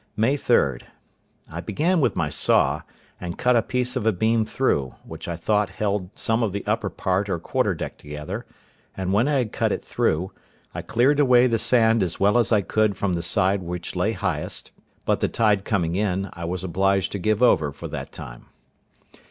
May 3.—I began with my saw, and cut a piece of a beam through, which I thought held some of the upper part or quarter deck together, and when I had cut it through, I cleared away the sand as well as I could from the side which lay highest; but the tide coming in, I was obliged to give over for that time.